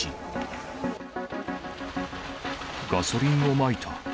ガソリンをまいた。